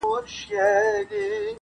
چي د چا پر سر یې باز وي کښېنولی -